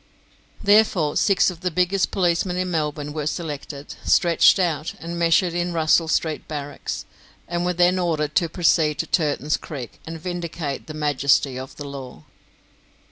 Therefore, six of the biggest policemen in Melbourne were selected, stretched out, and measured in Russell Street barracks, and were then ordered to proceed to Turton's Creek and vindicate the majesty of the law.